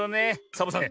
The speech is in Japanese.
サボさん